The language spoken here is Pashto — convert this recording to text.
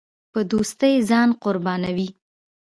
په دوستۍ ځان قربانوي.